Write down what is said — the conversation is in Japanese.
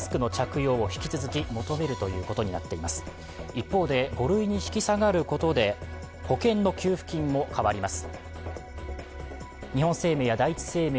一方で、５類に引き下がることで保険の給付金も変わります。